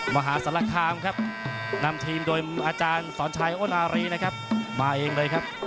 มหาศาลคามครับนำทีมโดยอาจารย์สอนชัยอ้นอารีนะครับมาเองเลยครับ